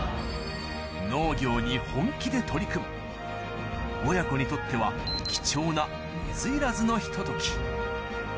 農業に本気で取り組む親子にとっては貴重な水入らずのひと時